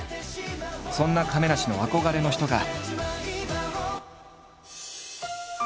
そんな亀梨の憧れの人が。